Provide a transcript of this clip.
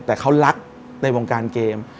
แต่เขารักในวงการเกม